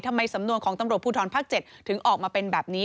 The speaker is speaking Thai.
สำนวนของตำรวจภูทรภาค๗ถึงออกมาเป็นแบบนี้